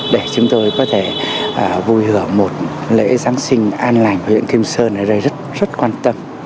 để chúng tôi có thể vui hưởng một lễ giáng sinh an lành huyện kim sơn ở đây rất quan tâm